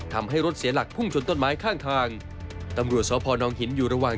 ทำให้รถเสียหลักพุ่งชนต้นไม้ข้างทางตำรวจสพนหินอยู่ระหว่าง